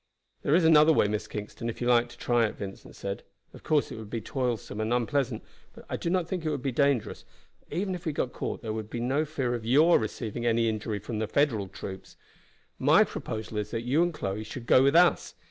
"There is another way, Miss Kingston, if you like to try it," Vincent said. "Of course it would be toilsome and unpleasant, but I do not think it would be dangerous, for even if we got caught there would be no fear of your receiving any injury from the Federal troops. My proposal is that you and Chloe should go with us.